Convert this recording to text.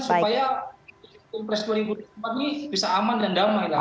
supaya kepres dua ribu empat ini bisa aman dan damai lah